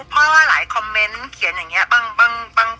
เพราะว่าหลายคอมเมนต์เขียนอย่างนี้บ้าง